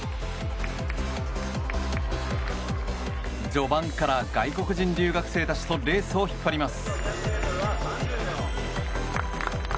序盤から外国人留学生たちとレースを引っ張ります。